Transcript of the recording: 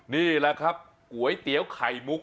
นี่แหละครับก๋วยเตี๋ยวไข่มุก